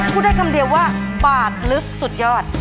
พูดได้คำเดียวว่าปาดลึกสุดยอด